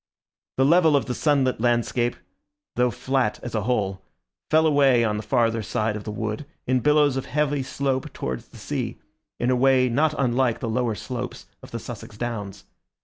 The level of the sunlit landscape, though flat as a whole, fell away on the farther side of the wood in billows of heavy slope towards the sea, in a way not unlike the lower slopes of the Sussex downs.